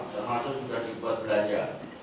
termasuk sudah dibuat belanja